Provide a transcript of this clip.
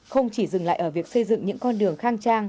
không chỉ dừng lại ở việc xây dựng những con đường khang trang